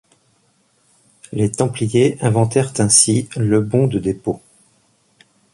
Les Templiers inventèrent ainsi le bon de dépôt.